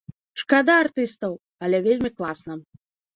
Шкада артыстаў, але вельмі класна!